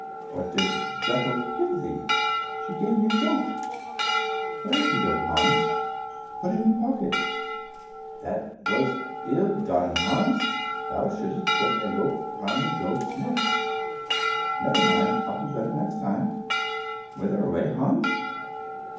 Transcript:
"What did Grethel give thee?" "She gave me a goat." "Where is the goat, Hans?" "Put it in my pocket." "That was ill done, Hans, thou shouldst have put a rope round the goat's neck." "Never mind, will do better next time." "Whither away, Hans?"